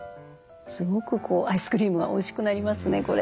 すごくアイスクリームがおいしくなりますねこれ。